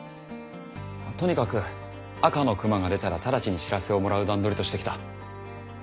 とにかく赤の熊が出たら直ちに知らせをもらう段取りとしてきた。